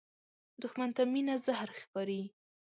دښمن ته مینه زهر ښکاري